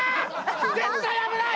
絶対危ない！